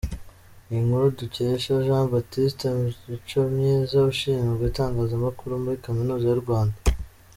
Ni inkuru dukesha : Jean Baptiste Micomyiza ushinzwe itangazamakuru muri Kaminuza y’u Rwanda.